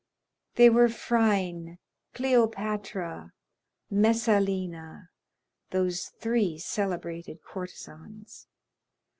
They were Phryne, Cleopatra, Messalina, those three celebrated courtesans.